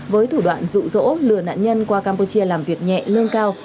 với thủ đoạn dụ dỗ lừa nạn nhân qua campuchia làm việc nhẹ lương cao